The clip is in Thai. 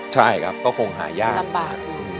ใช่ครับก็คงหายาก